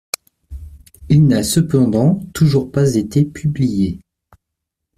Il n’a cependant toujours pas été publié.